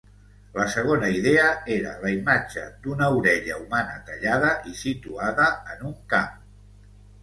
La segona idea era la imatge d'una orella humana tallada i situada en un camp.